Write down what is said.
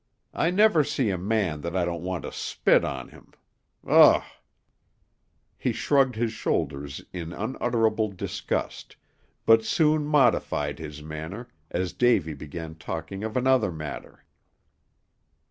I never see a man that I don't want to spit on him. Ugh!" He shrugged his shoulders in unutterable disgust, but soon modified his manner, as Davy began talking of another matter.